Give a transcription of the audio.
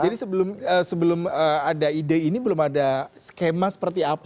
jadi sebelum ada ide ini belum ada skema seperti apa